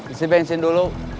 isi bensin dulu